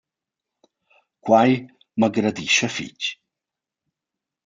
Quai m’agradischa fich!